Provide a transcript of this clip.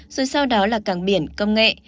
rồi sau đó là càng biển công nghệ